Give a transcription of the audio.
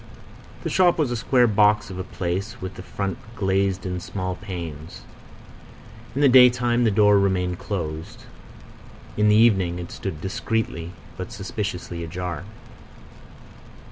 The shop was a square box of a place, with the front glazed in small panes. In the daytime the door remained closed; in the evening it stood discreetly but suspiciously ajar.